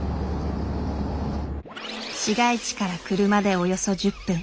市街地から車でおよそ１０分。